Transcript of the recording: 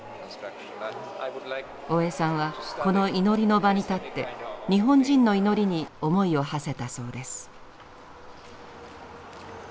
大江さんはこの祈りの場に立って日本人の祈りに思いをはせたそうです。